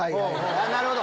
なるほど！